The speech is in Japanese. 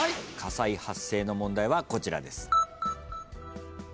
火災発生の問題はこちらです。